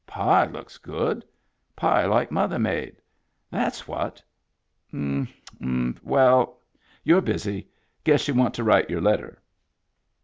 Pie looks good. Pie like mother made. That's what. M — well, you're busy. Guess you want to write your letter."